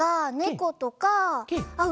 ことかあっ